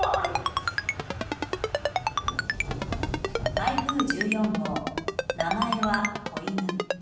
台風１４号、名前はコイヌ。